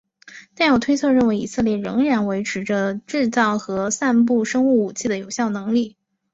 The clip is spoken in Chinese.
但有推测认为以色列仍然维持着制造和散布生物武器的有效能力。